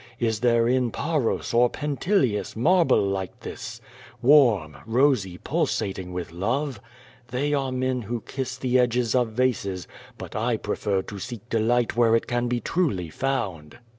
Is there in Pares or in Pentelius marble like this — warm, rosy, pulsating QUO VADIS. 233 with love? They are men who kiss the edges of vases, but I prefer to seek delight where it can be truly found."